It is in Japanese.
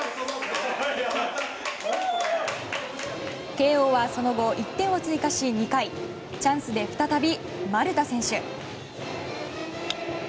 慶応はその後、１点を追加し２回、チャンスで丸田選手。